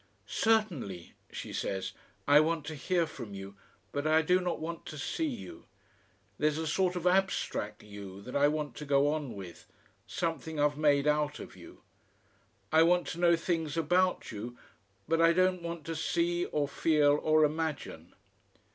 "Certainly," she says, "I want to hear from you, but I do not want to see you. There's a sort of abstract YOU that I want to go on with. Something I've made out of you.... I want to know things about you but I don't want to see or feel or imagine.